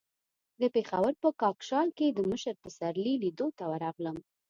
د پېښور په کاکشال کې د مشر پسرلي لیدو ته ورغلم.